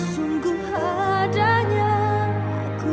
sungguh adanya aku